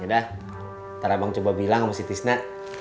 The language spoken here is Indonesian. yaudah ntar abang coba bilang sama si tisna